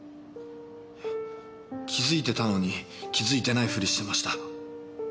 気づいてたのに気づいてないフリしてました。